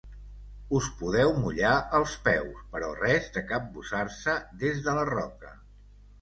Us podeu mullar els peus, però res de cabussar-se des de la roca.